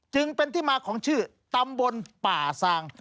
จึงเป็นที่มาของชื่อตำบลป่าซาง